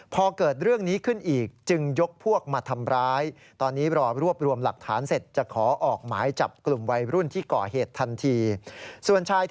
พอเกิดเรื่องนี้ขึ้นอีกจึงยกพวกมาทำร้าย